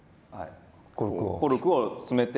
コルクを詰めて。